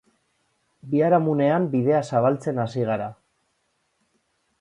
Biharamunean bidea zabaltzen hasi gara.